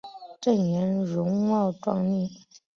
郑俨容貌壮丽。